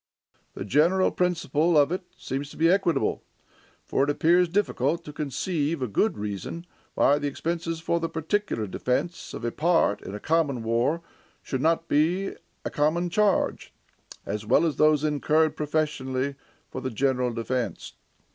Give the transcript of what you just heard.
"The general principle of it seems to be equitable, for it appears difficult to conceive a good reason why the expenses for the particular defense of a part, in a common war, should not be a common charge, as well as those incurred professedly for the general defense.